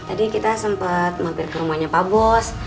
tadi kita sempet mampir ke rumahnya pak bos